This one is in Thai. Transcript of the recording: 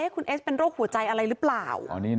คุณเอสเป็นโรคหัวใจอะไรหรือเปล่า